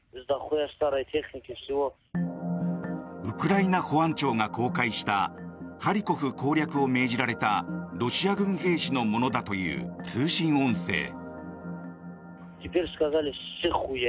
ウクライナ保安庁が公開したハリコフ攻略を命じられたロシア軍兵士のものだという通信音声。